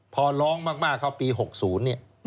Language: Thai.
พอร้องมากเข้าปี๖๐เนี่ย